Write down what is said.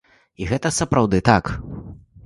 І гэта сапраўды так.